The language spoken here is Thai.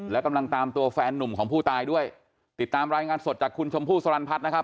และกำลังตามตัวแฟนนุ่มของผู้ตายด้วยติดตามรายงานสดจากคุณชมพู่สรรพัฒน์นะครับ